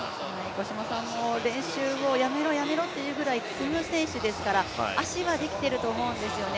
五島さんも練習をやめろやめろというぐらい積む選手ですから足はできていると思うんですね